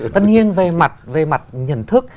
tất nhiên về mặt nhận thức